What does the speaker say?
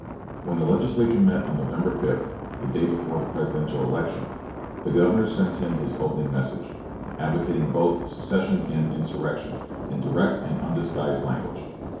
When the Legislature met on November 5 (the day before the Presidential election) the Governor sent them his opening message, advocating both secession and insurrection, in direct and undisguised language.